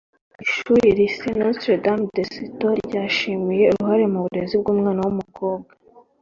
Ishuri Lycee de Notre Dames de Citeaux ryashimiwe uruhare mu burezi bw’umwana w’umukobwa